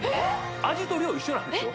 味と量一緒なんでしょ？